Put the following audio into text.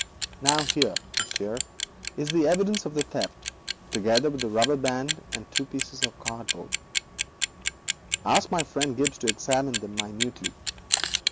Now here, Monsieur, is the evidence of the theft, together with the rubber band and two pieces of cardboard. Ask my friend Gibbes to examine them minutely.